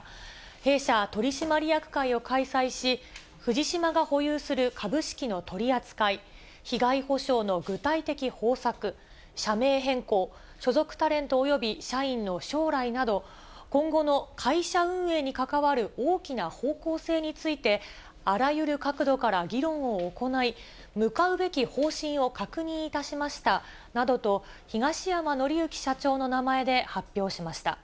弊社取締役会を開催し、藤島が保有する株式の取り扱い、被害補償の具体的方策、社名変更、所属タレントおよび社員の将来など、今後の会社運営に関わる大きな方向性について、あらゆる角度から議論を行い、向かうべき方針を確認いたしましたなどと、東山紀之社長の名前で発表しました。